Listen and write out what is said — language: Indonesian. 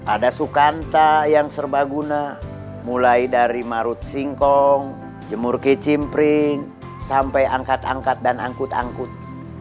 ada sukanta yang serbaguna mulai dari marut singkong jemur kicimpring sampai angkat angkat dan angkut angkut